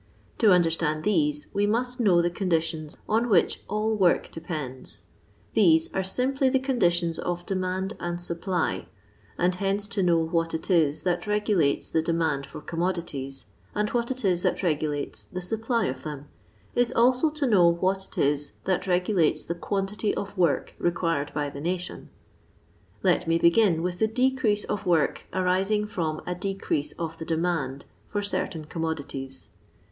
To understand these wo must know tho conditions on which all work depends ; these are simply the conditions of demand and supply, aud hence to know what it is that regulates the demand for commodities, and what it is that regu lates tho supply of them, is also to know what it is that regulates the quantity of work required by the nation. Let me begm with the decrease of work arising from a decrease of the detnand for certain com modities.